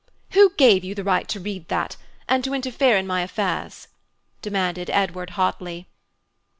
"Who gave you the right to read that, and to interfere in my affairs?" demanded Edward hotly.